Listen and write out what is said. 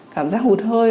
cảm giác hụt hơi